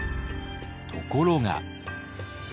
ところが。